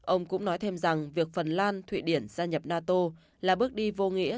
ông cũng nói thêm rằng việc phần lan thụy điển gia nhập nato là bước đi vô nghĩa